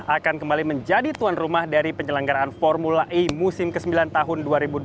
akan kembali menjadi tuan rumah dari penyelenggaraan formula e musim ke sembilan tahun dua ribu dua puluh tiga